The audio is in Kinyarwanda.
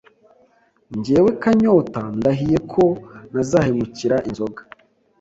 njyewe kanyota ndahiye ko ntazahemukira inzoga